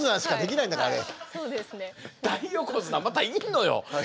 大横綱またいんのよ！